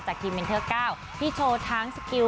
ทีมเมนเทอร์๙ที่โชว์ทั้งสกิล